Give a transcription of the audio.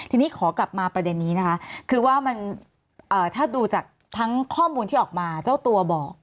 ทีนี้ขอกลับมาประเด็นนี้นะคะคือว่ามันถ้าดูจากทั้งข้อมูลที่ออกมาเจ้าตัวบอก